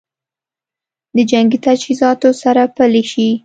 د جنګي تجهیزاتو سره پلي شي